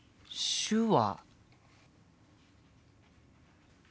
手話。